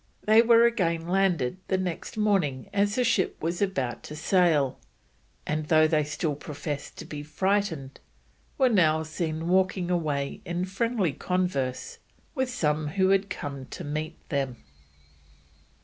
They were again landed the next morning as the ship was about to sail, and though they still professed to be frightened, were soon seen walking away in friendly converse with some who had come to meet them.